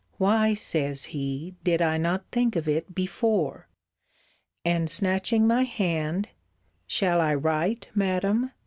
Why, says he, did I not think of it before? And snatching my hand, Shall I write, Madam?